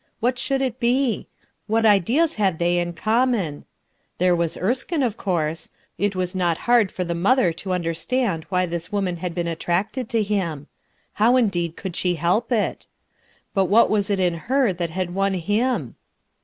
What should it be? What ideas had they in common? There was Erskine, of course. It was not hard for the mother to understand why this woman had been attracted to him. How indeed could she help it? But what was it in her that had won him?